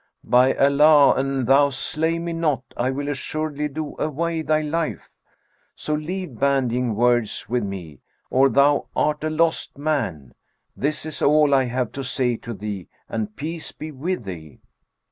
By Allah, an thou slay me not I will assuredly do away thy life! So leave bandying words with me, or thou art a lost man: this is all I have to say to thee and peace be with thee!'